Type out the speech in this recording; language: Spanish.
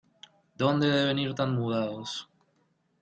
Dónde deben ir tan mudados.